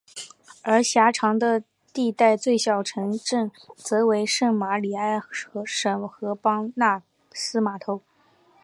而狭长地带最小的城镇则为圣玛里埃什和邦纳斯码头。